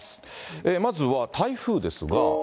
まずは台風ですが。